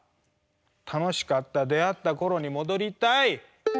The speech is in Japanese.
楽しかった出会った頃に戻りたい。